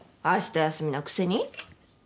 あした休みなくせに？